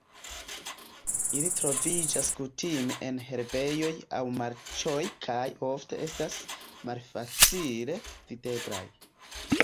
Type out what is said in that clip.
Ili troviĝas kutime en herbejoj aŭ marĉoj kaj ofte estas malfacile videblaj.